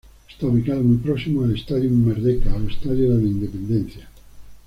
Está ubicado muy próximo al Stadium Merdeka o "Estadio de la Independencia".